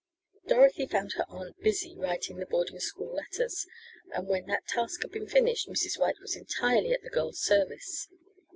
Dorothy found her aunt busy writing the boarding school letters, and when that task had been finished Mrs. White was entirely at the girl's service.